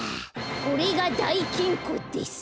これがだいきんこです。